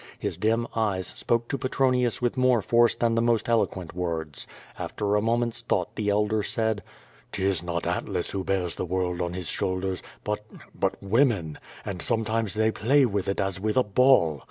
His dim eyes spoke to Petronius with more force than the most eloquent words. After a moment's thought the elder said: "'Tis not Atlas who bears the world on his shoulders, but — ^but — ^women, and sometimes they play with it as with a ball."